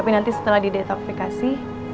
tapi nanti setelah didetokifikasi